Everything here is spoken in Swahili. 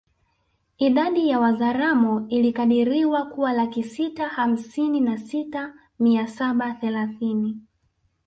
Idadi ya Wazaramo ilikadiriwa kuwa laki sita hamsini na sita mia saba thelathini